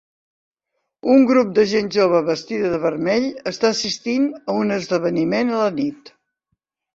Un grup de gent jove vestida de vermell està assistint a un esdeveniment a la nit.